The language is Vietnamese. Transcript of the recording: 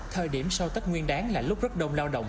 thời điểm sau tết nguyên đáng là lúc rất đông lao động